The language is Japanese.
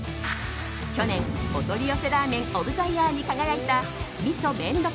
去年お取り寄せラーメンオブ・ザ・イヤーに輝いた味噌麺処